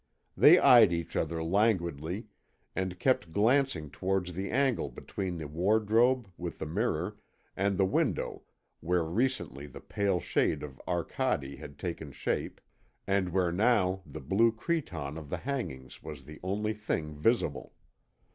They eyed each other languidly, and kept glancing towards the angle between the wardrobe with the mirror and the window, where recently the pale shade of Arcade had taken shape, and where now the blue cretonne of the hangings was the only thing visible.